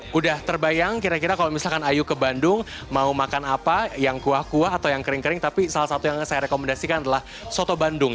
sudah terbayang kira kira kalau misalkan ayu ke bandung mau makan apa yang kuah kuah atau yang kering kering tapi salah satu yang saya rekomendasikan adalah soto bandung